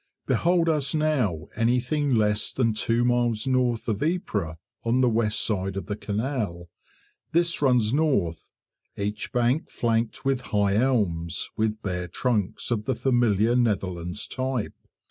Behold us now anything less than two miles north of Ypres on the west side of the canal; this runs north, each bank flanked with high elms, with bare trunks of the familiar Netherlands type.